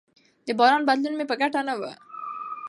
د بازار بدلون مې په ګټه نه و.